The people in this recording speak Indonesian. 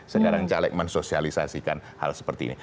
sekarang caleg mensosialisasikan hal seperti ini